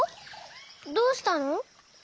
どうしたの？